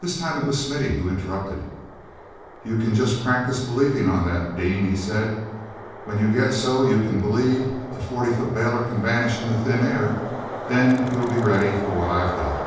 This time it was Smithy who interrupted. "You can just practise believing on that, Dean," he said. "When you get so you can believe a forty foot bailer can vanish into thin air, then you'll be ready for what I've got.